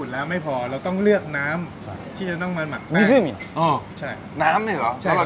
น้ำแร่นี่แหละน้ำแร่ธรรมชาติแบบดี